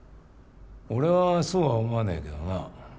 俺はそうは思わねえけどな。